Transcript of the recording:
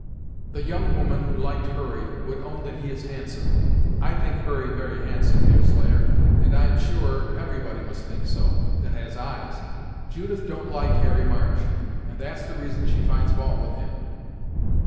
"The young woman who liked Hurry would own that he is handsome. I think Hurry very handsome, Deerslayer, and I'm sure everybody must think so, that has eyes. Judith don't like Harry March, and that's the reason she finds fault with him."